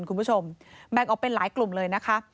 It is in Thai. คุณผู้ชมแบ่งออกเป็นหลายกลุ่มเลยนะคะ